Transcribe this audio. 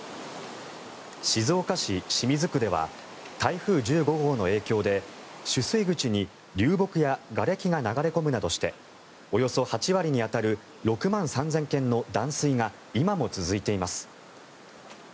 静岡市清水区では台風１５号の影響で取水口に流木やがれきが流れ込むなどしておよそ８割に当たる６万３０００軒の断水が今も続いています。